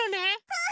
うん！